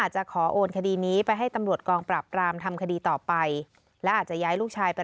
จะขอโอนคดีนี้ไปให้ตำรวจกองปราบรามทำคดีต่อไปและอาจจะย้ายลูกชายไป